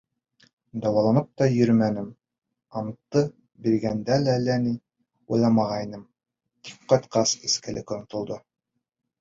Дауаланып та йөрөмәнем, антты биргәндә әллә ни уйламағайным, тик ҡайтҡас, эскелек онотолдо.